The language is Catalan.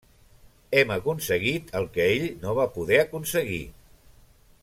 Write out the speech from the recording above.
Hem aconseguit el que ell no va poder aconseguir.